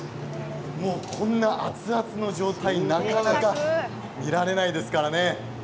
この熱々の状態でなかなか見られないですからね。